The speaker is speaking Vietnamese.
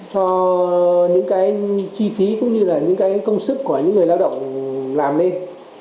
cho những cái chi phí cũng như là những cái công sức của những người lao động làm lên